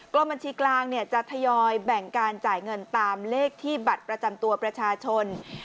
บัญชีกลางจะทยอยแบ่งการจ่ายเงินตามเลขที่บัตรประจำตัวประชาชน